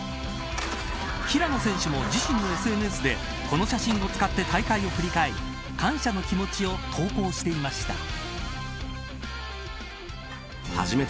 平野選手も自身のＳＮＳでこの写真を使って大会を振り返り感謝の気持ちを投稿していました。